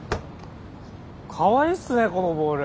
かわいいっすねこのボール。